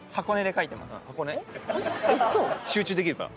集中できるから。